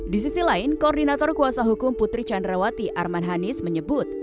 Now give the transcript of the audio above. di sisi lain koordinator kuasa hukum putri candrawati arman hanis menyebut